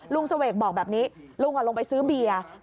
เสวกบอกแบบนี้ลุงลงไปซื้อเบียร์